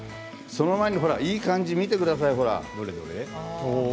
その前に、ほらいい感じ。見てください。